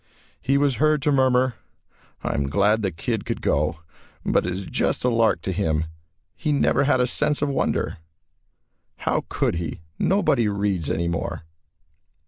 He was heard to murmur, "I am glad the kid could go, but it is just a lark to him. He never had a 'sense of wonder.' How could he nobody reads anymore."